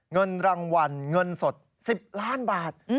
เงินรางวัลเงินสด๑๐ล้านบาท